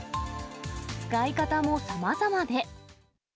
使い方もさまざまで。